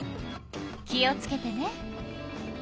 気をつけてね。